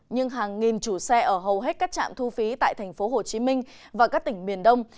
nhưng hàng nghìn chủ xe ở hầu hết các trạm thu phí tại tp hcm và các tỉnh miền đông